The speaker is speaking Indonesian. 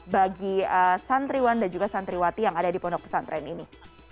bagi santriwan dan juga santriwati yang ada di pondok pesantren ini